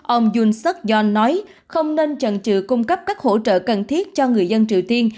ông jun suk yoon nói không nên trần trừ cung cấp các hỗ trợ cần thiết cho người dân triều tiên